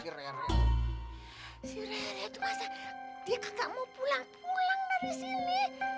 si rere tuh masa dia kagak mau pulang pulang dari sini